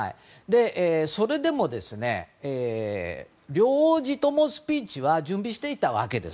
それでも、両王子共スピーチは準備していたわけです。